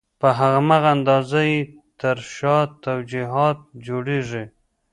په هماغه اندازه یې تر شا توجیهات جوړېږي.